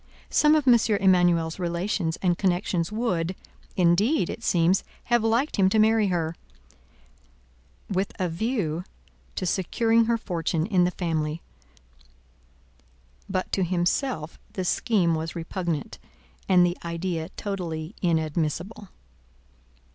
Some of M. Emanuel's relations and connections would, indeed, it seems, have liked him to marry her, with a view to securing her fortune in the family; but to himself the scheme was repugnant, and the idea totally inadmissible.